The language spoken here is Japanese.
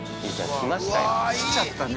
◆来ちゃったね。